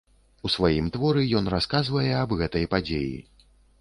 У сваім творы ён расказвае аб гэтай падзеі.